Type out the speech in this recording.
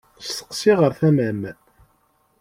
Steqsi ɣer tama-m.